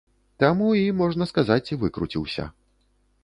Таму і, можна сказаць, выкруціўся.